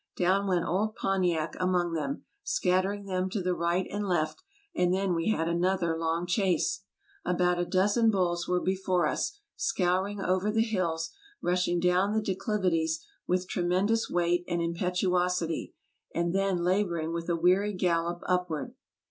Down went old Pontiac among them, scattering them to the right and left, and then we had an other long chase. About a dozen bulls were before us, scouring over the hills, rushing down the declivities with tremendous weight and impetuosity, and then laboring with a weary gallop upward.